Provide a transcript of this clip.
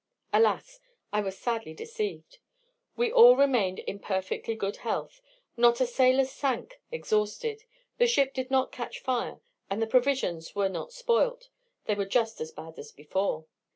Alas! I was sadly deceived. We all remained in perfectly good health; not a sailor sank exhausted; the ship did not catch fire; and the provisions were not spoilt they were just as bad as before.